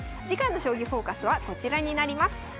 次回の「将棋フォーカス」はこちらになります。